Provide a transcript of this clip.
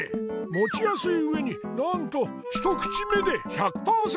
もちやすいうえになんと一口目で１００％